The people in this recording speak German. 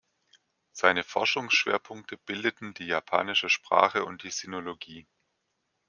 Seine Forschungsschwerpunkte bildeten die japanische Sprache und die Sinologie.